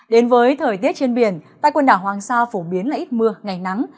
đến với thời tiết trên biển tại quần đảo hoàng sa phổ biến là ít mưa ngày nắng